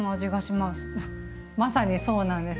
まさにそうなんです。